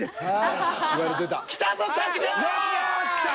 よし！